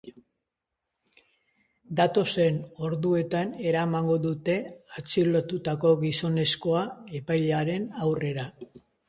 Datozen orduotan eramango dute atxilotutako gizonezkoa epailearen aurrera.